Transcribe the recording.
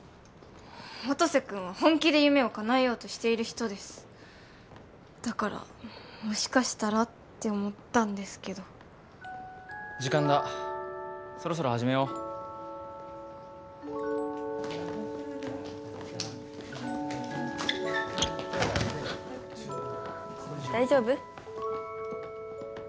音瀬君は本気で夢をかなえようとしている人ですだからもしかしたらって思ったんですけど時間だそろそろ始めよう大丈夫？